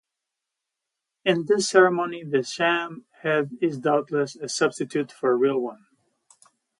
In this ceremony the sham head is doubtless a substitute for a real one.